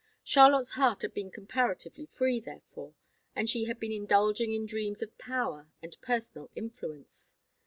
Charlotte's heart had been comparatively free, therefore, and she had been indulging in dreams of power and personal influence.